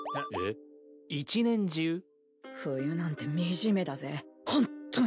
冬なんて惨めだぜホントに！